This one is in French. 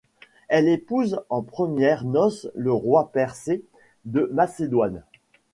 Elle épouse en premières noces le roi Persée de Macédoine.